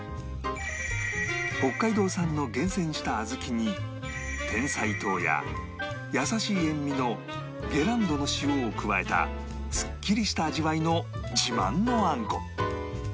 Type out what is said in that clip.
北海道産の厳選した小豆にてんさい糖や優しい塩味のゲランドの塩を加えたすっきりした味わいの自慢のあんこ